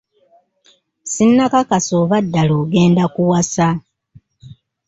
Sinakakasa oba ddala agenda kuwasa.